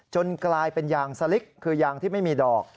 กลายเป็นยางสลิกคือยางที่ไม่มีดอก